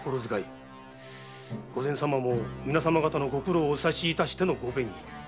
御前様も皆様方のご苦労をお察し致してのご便宜。